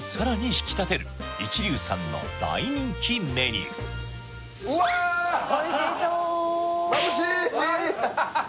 引き立てる一龍さんの大人気メニューおいしそうまぶしい！